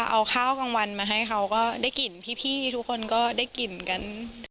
เอาข้าวกลางวันมาให้เขาก็ได้กลิ่นพี่ทุกคนก็ได้กลิ่นกัน